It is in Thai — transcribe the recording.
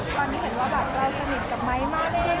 ตอนนี้เห็นว่าแบบเราสนิทกับไม้มากเลยนะคุณผู้ชม